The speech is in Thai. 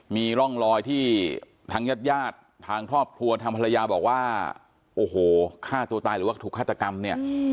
มีร่องรอยที่ทางญาติญาติทางครอบครัวทางภรรยาบอกว่าโอ้โหฆ่าตัวตายหรือว่าถูกฆาตกรรมเนี่ย